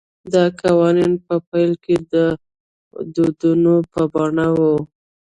دا قوانین په پیل کې د دودونو په بڼه وو